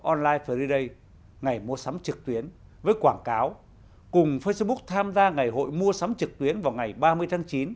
online friday với quảng cáo cùng facebook tham gia ngày hội mua sắm trực tuyến vào ngày ba mươi tháng chín